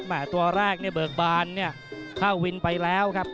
แหม่ตัวแรกเบิกบานเข้าวินไปแล้วครับ